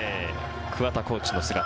桑田コーチの姿。